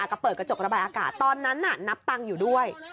ก็เปิดกระจกระบายอากาศตอนนั้นน่ะนับตังค์อยู่ด้วย